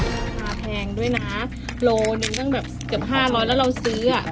ราคาแพงด้วยนะโลหนึ่งตั้งแบบเกือบ๕๐๐แล้วเราซื้ออ่ะ